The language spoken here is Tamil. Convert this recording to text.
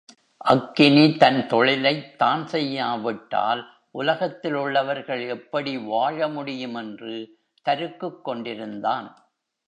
அக்கினி தன் தொழிலைத் தான் செய்யாவிட்டால் உலகத்திலுள்ளவர்கள் எப்படி வாழ முடியும் என்று தருக்குக் கொண்டிருந்தான்.